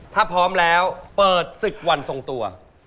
ถ้าพร้อมแล้วเปิดศึกวันทรงตัว